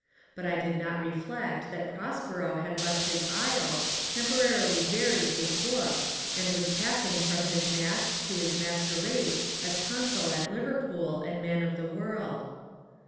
But I did not re flect that Prospero had left his isle, temporarily buried his book, and was passing from his masque to his masquerade as consul at Liverpool and man of the world.